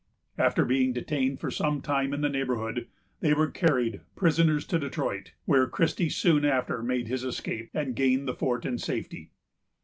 After being detained for some time in the neighborhood, they were carried prisoners to Detroit, where Christie soon after made his escape, and gained the fort in safety.